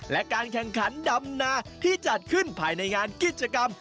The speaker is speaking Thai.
และการแข่งขันดำนาที่จัดขึ้นภายในงานกิจกรรม